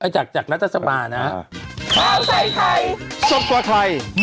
จากจากรัฐสมานะฮะ